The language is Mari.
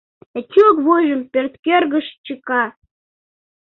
Эчук вуйжым пӧрткӧргыш чыка.